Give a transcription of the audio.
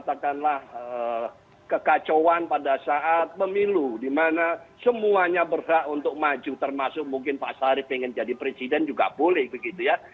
katakanlah kekacauan pada saat pemilu dimana semuanya berhak untuk maju termasuk mungkin pak sarip ingin jadi presiden juga boleh begitu ya